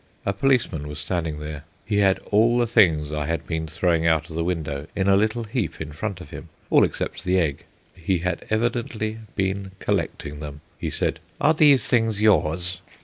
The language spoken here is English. A policeman was standing there. He had all the things I had been throwing out of the window in a little heap in front of him, all except the egg. He had evidently been collecting them. He said: "Are these things yours?"